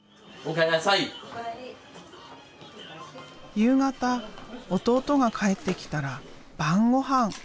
夕方弟が帰ってきたら晩ごはん。